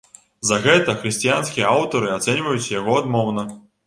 За гэта хрысціянскія аўтары ацэньваюць яго адмоўна.